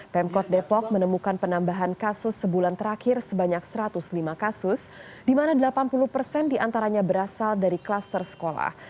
pemkot depok menemukan penambahan kasus sebulan terakhir sebanyak satu ratus lima kasus di mana delapan puluh persen diantaranya berasal dari klaster sekolah